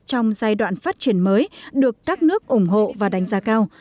trong giai đoạn phát triển mới được các nước ủng hộ và đánh giá cao